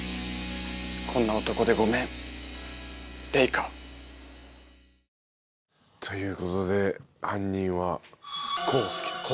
こんな男でごめん玲香。ということで犯人は康助でした。